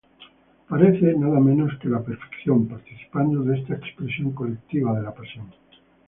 Parece nada menos que la perfección, participando de esta expresión colectiva de la pasión.